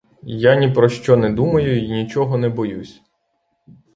Я ні про що не думаю й нічого не боюсь.